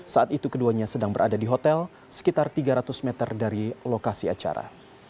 saat itu keduanya sedang berada di hotel sekitar tiga ratus meter dari lokasi acara